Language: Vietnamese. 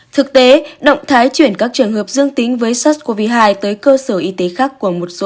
thực tế động thái chuyển các trường hợp dương tính với sars cov hai tới cơ sở y tế khác của một số